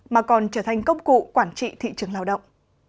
mà còn trở thành công cụ quản trị thị trường lao động